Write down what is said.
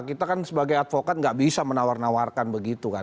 kita kan sebagai advokat gak bisa menawar nawarkan begitu kan